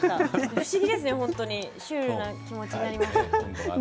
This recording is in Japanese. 不思議ですね、本当にシュールな気持ちになりました。